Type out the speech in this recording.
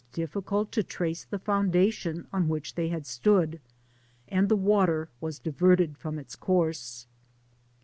207 difficult to trace the foundation on which they had stood> and the water was diverted from its course.